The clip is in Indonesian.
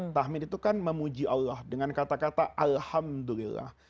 tahmid itu kan memuji allah dengan kata kata alhamdulillah